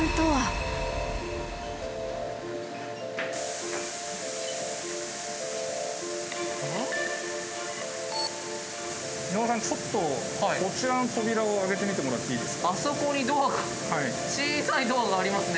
はい。